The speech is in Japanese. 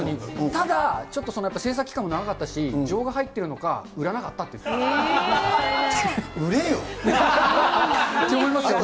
ただ、ちょっと制作期間も長かったし、情が入ってるのか、売らなかった売れよ。って思いますよね。